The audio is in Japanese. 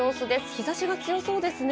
日差しが強そうですね。